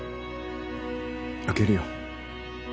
受けるよ。